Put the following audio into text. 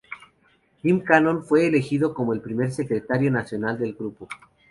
Jim Cannon fue elegido como primer secretario nacional del grupo.